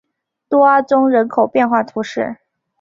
多阿宗人口变化图示